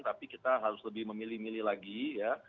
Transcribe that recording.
tapi kita harus lebih memilih milih lagi ya